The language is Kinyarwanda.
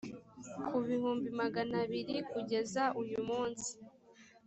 ku bihumbi magana abiri kugeza uyumunsi